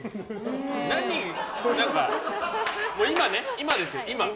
今ですよ、今。